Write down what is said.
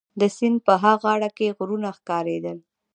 د سیند په ها غاړه کي غرونه ښکارېدل.